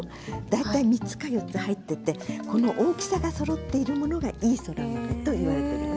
大体３つか４つ入っててこの大きさがそろっているものがいいそら豆と言われているの。